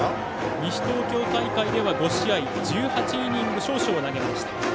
西東京大会では５試合１８イニング少々を投げました。